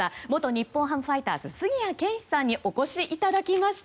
日本ハムファイターズ杉谷拳士さんにお越しいただきました。